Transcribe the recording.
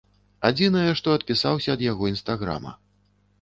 Адзінае, што адпісаўся ад яго інстаграма.